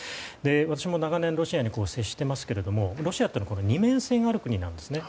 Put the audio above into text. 私も長年ロシアに接していますけれどもロシアというのは二面性がある国なんですね。